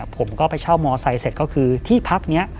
ผมก็ไปเช่ามอไซค์เสร็จก็คือที่พักนี้